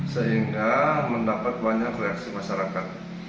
sehingga mendapat banyak reaksi masyarakat